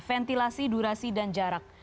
ventilasi durasi dan jarak